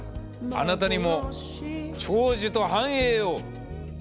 あなたにも長寿と繁栄を！